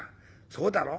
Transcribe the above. そうだろ？